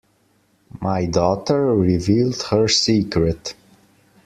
My daughter revealed her secret.